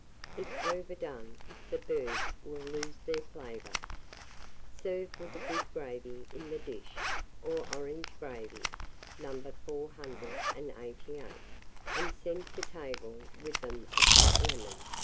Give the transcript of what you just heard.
If overdone, the birds will lose their flavour. Serve with a good gravy in the dish, or orange gravy, No. 488; and send to table with them a cut lemon.